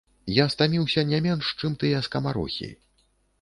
Я стаміўся не менш, чым тыя скамарохі.